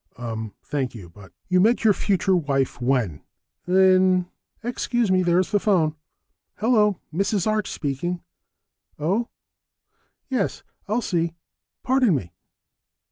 "Ummm. Thank you, but " "You met your future wife when?" "In " "Excuse me, there's the phone... Hello. Mrs. Arch speaking... Oh?... Yes, I'll see... Pardon me.